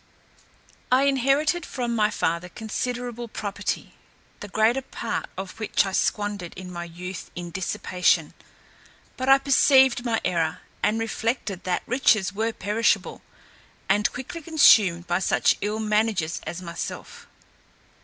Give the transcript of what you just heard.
I inherited from my father considerable property, the greater part of which I squandered in my youth in dissipation; but I perceived my error, and reflected that riches were perishable, and quickly consumed by such ill managers as myself.